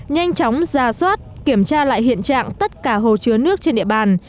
nhanh chóng ra soát kiểm tra lại hiện trạng tất cả hồ chứa nước trên địa bàn